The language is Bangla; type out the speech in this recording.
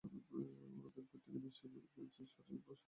ওনাদের প্রত্যেকেরই নিজ নিজ শারীরিক কিংবা মানসিক সমস্যা আছে।